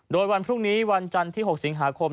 โดยวันพรุ่งนี้วันจันทร์ที่๖สิงหาคม